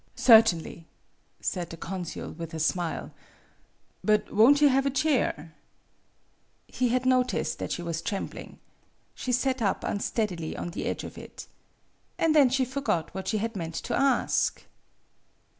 " Certainly," said the consul, with a smile. " But won't you have a chair ?" He had noticed that she was trembling. She sat up unsteadily on the edge of it. And then she forgot what she had meant to ask!